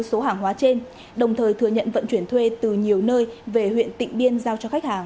số hàng hóa trên đồng thời thừa nhận vận chuyển thuê từ nhiều nơi về huyện tỉnh biên giao cho khách hàng